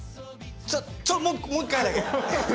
ちょっともう一回だけ！